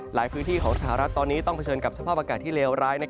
หลายพื้นที่ของสหรัฐตอนนี้ต้องเผชิญกับสภาพอากาศที่เลวร้าย